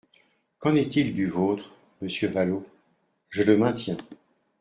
Qu’en est-il du vôtre, monsieur Vallaud ? Je le maintiens.